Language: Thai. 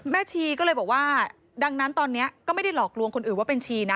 ชีก็เลยบอกว่าดังนั้นตอนนี้ก็ไม่ได้หลอกลวงคนอื่นว่าเป็นชีนะ